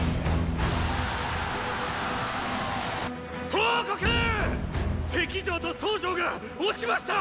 報告！丙城と曹城が落ちました！